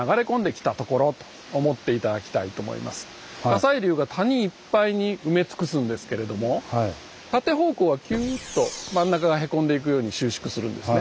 火砕流が谷いっぱいに埋め尽くすんですけれども縦方向はキューッと真ん中がへこんでいくように収縮するんですね。